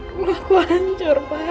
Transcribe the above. apa lagi kayaknya aku hancur pak